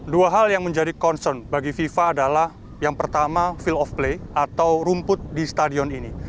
dua hal yang menjadi concern bagi fifa adalah yang pertama feel of play atau rumput di stadion ini